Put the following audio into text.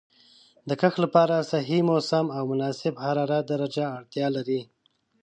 د کښت لپاره صحیح موسم او د مناسب حرارت درجه اړتیا لري.